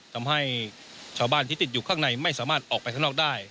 ทำให้ชาวบ้านที่ติดอยู่ข้างในไม่สามารถออกไปข้างนอกได้